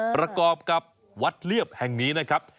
ประกอบกับวัดเรียบแห่งนี้นะครับ